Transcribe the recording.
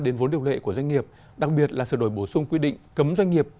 đến vốn điều lệ của doanh nghiệp đặc biệt là sửa đổi bổ sung quy định cấm doanh nghiệp